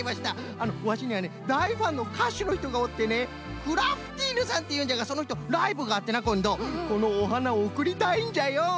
あのワシにはねだいファンのかしゅのひとがおってねクラフティーヌさんっていうんじゃがそのひとライブがあってなこんどこのおはなをおくりたいんじゃよ。